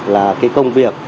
là cái công việc